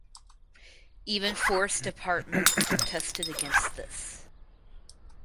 Even forest department protested against this.